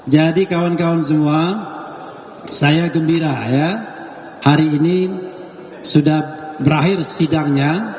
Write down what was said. jadi kawan kawan semua saya gembira ya hari ini sudah berakhir sidangnya